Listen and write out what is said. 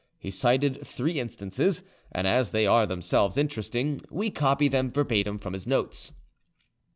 He cited three instances, and as they are themselves interesting, we copy them verbatim from his notes.